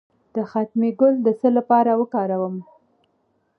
د ختمي ګل د څه لپاره وکاروم؟